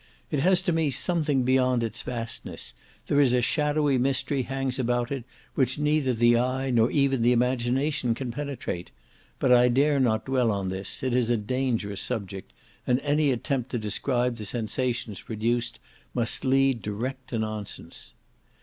It has to me something beyond its vastness; there is a shadowy mystery hangs about it which neither the eye nor even the imagination can penetrate; but I dare not dwell on this, it is a dangerous subject, and any attempt to describe the sensations produced must lead direct to nonsense.